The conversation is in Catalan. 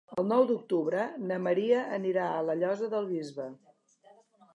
El nou d'octubre na Maria anirà a la Llosa del Bisbe.